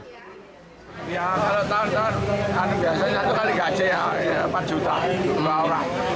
istri saya meninggal saya kan dari jua gaya dapat keluar gaji